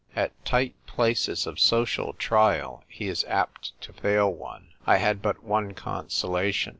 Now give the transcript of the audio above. At tight places of social trial he is apt to fail one. I had but one consolation.